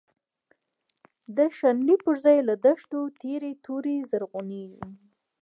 د شنلی پر ځای له دښتو، تیری توری زرغونیږی